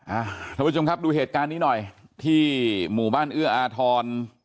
ท่านผู้ชมครับดูเหตุการณ์นี้หน่อยที่หมู่บ้านเอื้ออาทร